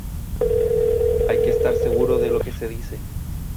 hay que estar seguro de lo que se dice,